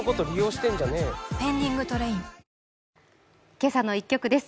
「けさの１曲」です。